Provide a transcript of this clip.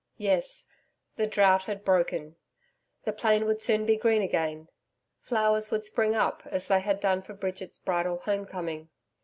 Yes, the Drought had broken. The plain would soon be green again. Flowers would spring up as they had done for Bridget's bridal home coming.